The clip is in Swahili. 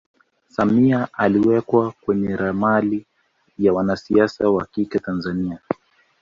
samia aliwekwa kwenye ramani ya wanasiasa wakike tanzania